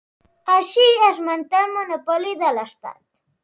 Així es manté el monopoli de l'Estat.